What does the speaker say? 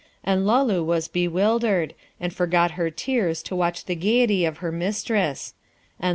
And Luloo was bewildered, and forgot her tears to watch the gaiety of her mistress; and lo!